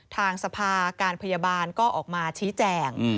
ทางสภาการพยาบาลก็ออกมาชี้แจง